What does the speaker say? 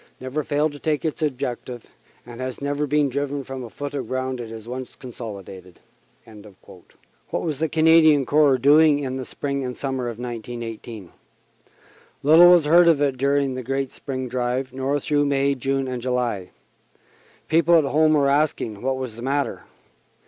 never failed to take its objective, and has never been driven from a foot of ground it has once consolidated." What was the Canadian Corps doing in the spring and summer of 1918? Little was heard of it during the great spring drive, nor through May, June and July. People at home were asking what was the matter.